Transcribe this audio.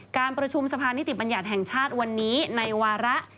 การประชุมสะพานนิติบัญญัติแห่งชาติวันนี้ในวาระ